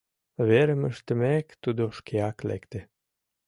Верым ыштымек, тудо шкеак лекте.